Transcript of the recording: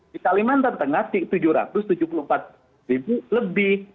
di kalimantan tengah tujuh ratus tujuh puluh empat ribu lebih